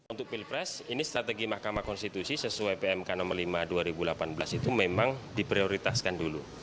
untuk pilpres ini strategi mahkamah konstitusi sesuai pmk no lima dua ribu delapan belas itu memang diprioritaskan dulu